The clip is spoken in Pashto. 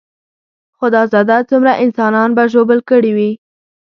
خدا زده څومره انسانان به ژوبل کړي وي.